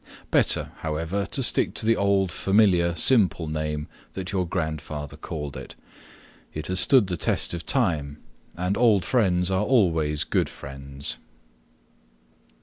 Better, however, to stick to the old familiar, simple name that your grandfather called it. It has stood the test of time, and old friends are always good friends.